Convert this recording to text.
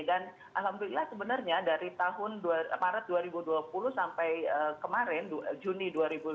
dan alhamdulillah sebenarnya dari tahun maret dua ribu dua puluh sampai kemarin juni dua ribu dua puluh satu